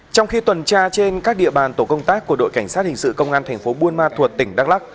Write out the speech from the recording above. trong khi tuần tra trên các địa bàn tổ công tác của đội cảnh sát hình sự công an thành phố buôn ma thuột tỉnh đắk lắc